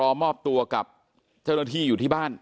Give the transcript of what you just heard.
น้องเอ็มนะฮะก็รอมอบตัวกับเจ้าหน้าที่อยู่ที่บ้านนะฮะ